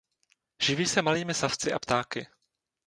Živí se malými savci a ptáky.